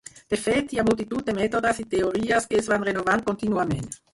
De fet, hi ha multitud de mètodes i teories que es van renovant contínuament.